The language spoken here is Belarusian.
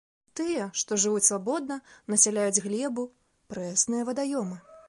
Тыя, што жывуць свабодна, насяляюць глебу, прэсныя вадаёмы.